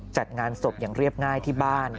จัดงานศพอย่างเรียบง่ายที่บ้าน